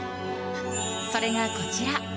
それがこちら。